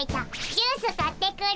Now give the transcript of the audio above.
ジュース買ってくる。